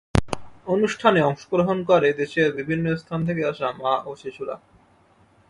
অনুষ্ঠানে অংশগ্রহণ করে দেশের বিভিন্ন স্থান থেকে আসা মা ও শিশুরা।